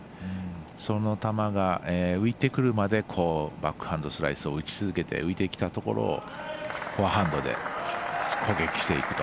その球が浮いてくるまでバックハンドスライスを打ち続けて、浮いてきたところをフォアハンドで攻撃していくと。